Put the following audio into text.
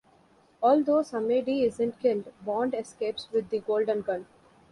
Although Samedi isn't killed, Bond escapes with the Golden Gun.